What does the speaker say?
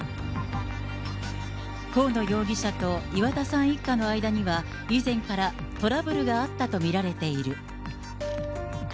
河野容疑者と岩田さん一家の間には、以前からトラブルがあったと見られている。